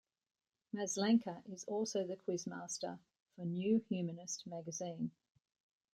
Maslanka is also the quizmaster for "New Humanist" magazine.